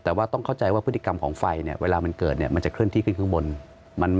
แต่ว่าต้องเข้าใจว่าพฤติกรรมของไฟเนี่ยเวลามันเกิดเนี่ยมันจะเคลื่อนที่ขึ้นข้างบน